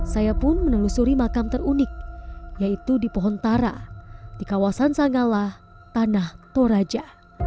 saya pun menelusuri makam terunik yaitu di pohon tara di kawasan sangala tanah toraja